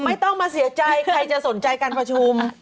ไม่ต้องมาเสียใจใครจะสนใจการประชุม